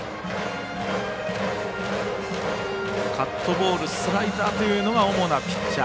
カットボール、スライダーが主なピッチャー。